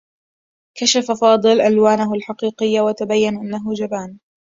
كشف فاضل ألوانه الحقيقيّة و تبيّن أنّه جبان.